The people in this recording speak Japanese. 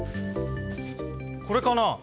これかな？